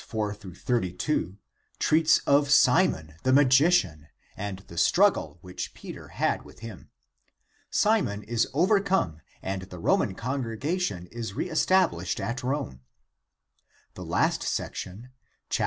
IV XXXn) treats of Simon, the Magician, and the struggle which Peter had with him. Simon is overcome and the Roman congregation is re established at Rome. The last sec tion (chaps.